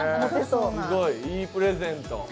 すごい、いいプレゼント。